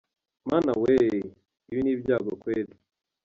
Mana Weee!! Ibi Ni Ibyago Kweli.